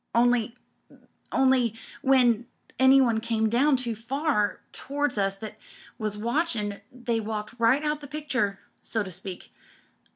Only — only when any one came down too far towards us that was watchin', they walked right out o' the picture, so to speak.